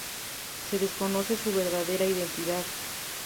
Se desconoce su verdadera identidad.